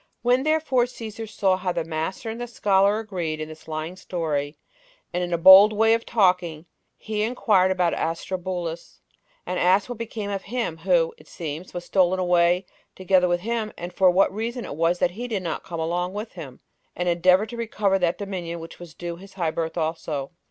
When, therefore, Cæsar saw how the master and the scholar agreed in this lying story, and in a bold way of talking, he inquired about Aristobulus, and asked what became of him who [it seems] was stolen away together with him, and for what reason it was that he did not come along with him, and endeavor to recover that dominion which was due to his high birth also.